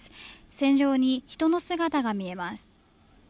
船上に人の姿が見えます。